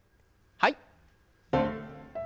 はい。